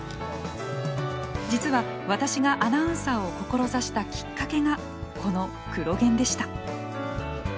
実は私がアナウンサーを志したきっかけがこの「クロ現」でした。